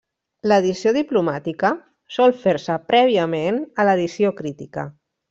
L'edició diplomàtica sol fer-se prèviament a l'edició crítica.